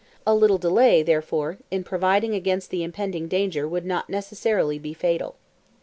A little delay, therefore, in providing against the impending danger would not necessarily be fatal.